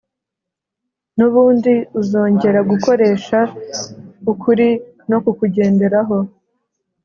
n’ubundi uzongera Gukoresha ukuri no kukugenderaho